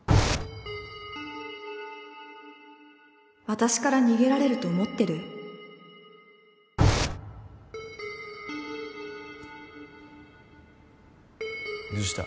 私から逃げられると思っどうした？